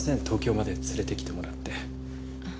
東京まで連れてきてもらって。